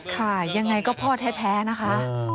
ค่ะยังไงก็พ่อแท้นะคะ